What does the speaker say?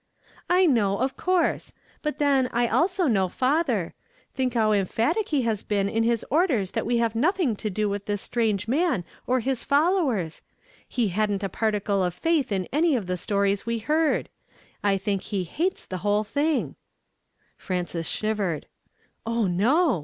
"I know, of coui se; but then, I also know father. Think how emphatic he has been in his orders that we have nothing to do with this strano'o man or his followei s. lie luidn't a particle of faith 56 YESTERDAY FRAMED IN TO DAY. 11 »: hf l C } in any of the stories we heard. I think he hates the wliole thing." P'rances shivered. "Oh no!"